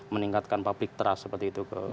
meningkatkan public trust seperti itu ke kami kami ini